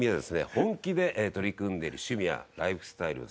本気で取り組んでいる趣味やライフスタイルをですね